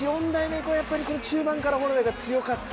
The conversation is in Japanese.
この中盤からホロウェイが強かった。